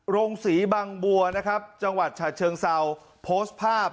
โรงศรีบังบัวนะครับจังหวัดฉะเชิงเซาโพสต์ภาพ